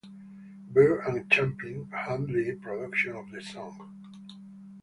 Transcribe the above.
Beer and Clampitt handled production of the song.